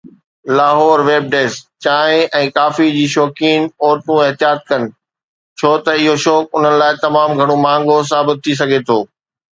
Lahore (web desk) چانهه ۽ coffee جو شوقين عورتون احتياط ڪن ڇو ته اهو شوق انهن لاءِ تمام مهانگو ثابت ٿي سگهي ٿو